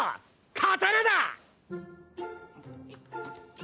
刀だ！